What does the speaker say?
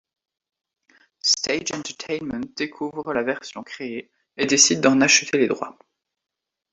Stage Entertainment découvre la version créée et décide d'en acheter les droits.